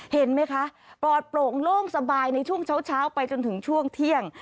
เห็นไหมคะปลอดโปร่งโล่งสบายในช่วงเช้าไปจนถึงช่วงเที่ยง